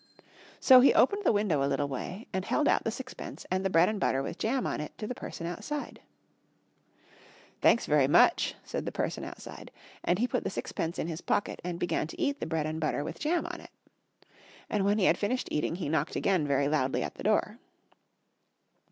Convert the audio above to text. So he opened the window a little way and held out the sixpence and the bread and butter with jam on it to the person outside. "Thanks very much," said the person outside. And he put the sixpence in his pocket and began to eat the bread and butter with jam on it. And when he had finished eating he knocked again very loudly at the door.